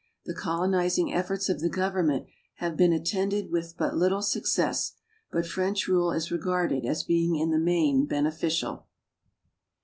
The colonizing efforts of the government have been attended with but little success, but French rule is regarded as being in the main beneficial.